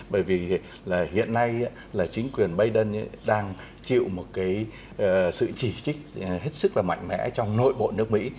bởi vì là hiện nay là chính quyền biden đang chịu một cái sự chỉ trích hết sức là mạnh mẽ trong nội bộ nước mỹ